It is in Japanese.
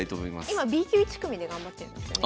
今Ｂ級１組で頑張ってるんですよね。